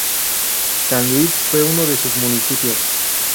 San Luis fue uno de sus municipios.